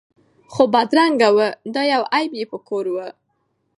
خو بدرنګه وو دا یو عیب یې په کور وو